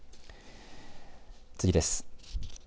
次です。